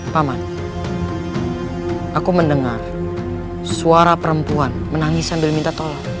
paman aku mendengar suara perempuan menangis sambil minta tolong